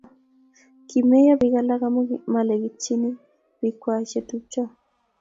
kimeiyo biik alak amu malekitjini biikwak che tupcho